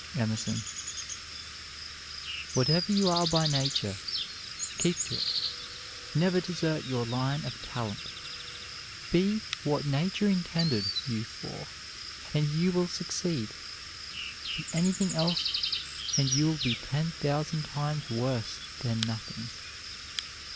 EMERSON. Whatever you are by nature, keep to it; never desert your line of talent. Be what nature intended you for, and you will succeed; be anything else, and you will be ten thousand times worse than nothing.